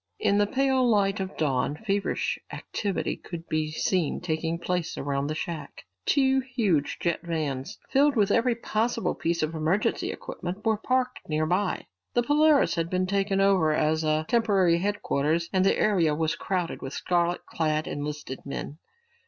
In the pale light of dawn, feverish activity could be seen taking place around the shack. Two huge jet vans, filled with every possible piece of emergency equipment, were parked near by. The Polaris had been taken over as a temporary headquarters and the area was crowded with scarlet clad enlisted men.